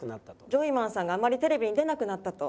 ジョイマンさんがあまりテレビに出なくなったと。